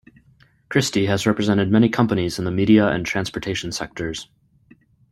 Christie has represented many companies in the media and transportation sectors.